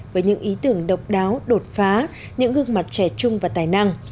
với những ý tưởng độc đáo đột phá những gương mặt trẻ trung và tài năng